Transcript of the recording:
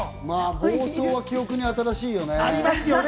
放送は記憶に新しいよね。